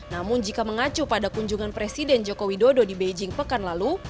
namun jika mengacu pada kunjungan presiden joko widodo di beijing pekan lalu